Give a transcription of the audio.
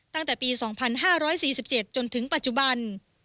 ตั้งแต่ปี๒๕๔๗จนถึงปัจจุบัน